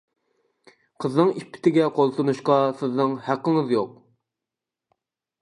قىزنىڭ ئىپپىتىگە قول سۇنۇشقا سىزنىڭ ھەققىڭىز يوق!